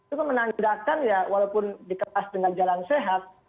itu menandakan ya walaupun dikemas dengan jalan sehat